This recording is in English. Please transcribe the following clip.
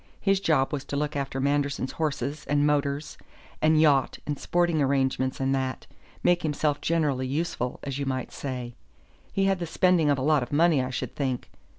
His job was to look after Manderson's horses and motors and yacht and sporting arrangements and that make himself generally useful, as you might say. He had the spending of a lot of money, I should think.